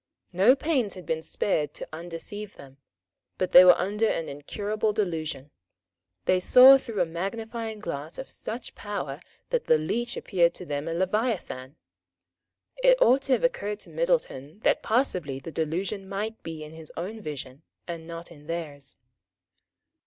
No pains had been spared to undeceive them; but they were under an incurable delusion. They saw through a magnifying glass of such power that the leech appeared to them a leviathan. It ought to have occurred to Middleton that possibly the delusion might be in his own vision and not in theirs.